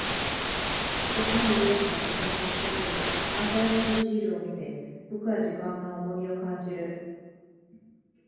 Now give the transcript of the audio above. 僕の家だった場所に貼ってある真新しいシールを見て、僕は時間の重みを感じる。